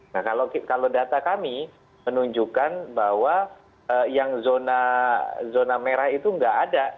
nah kalau data kami menunjukkan bahwa yang zona merah itu nggak ada